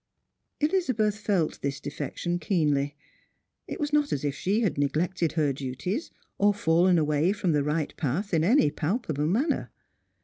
Elizabeth felt this defection keenly. It was not as if she had neglected her duties, or fallen away from the right path in any palpable manner.